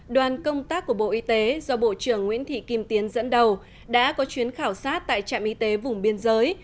đoàn công tác của bộ y tế do bộ trưởng nguyễn thị kim tiến dẫn đầu đã có chuyến khảo sát tại trạm y tế vùng biên giới